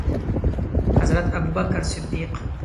حضرت ابوبکر صدیق